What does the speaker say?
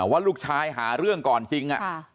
ว่าลูกชายหาเรื่องก่อนจริง